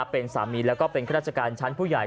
เป็นสามีแล้วก็เป็นข้าราชการชั้นผู้ใหญ่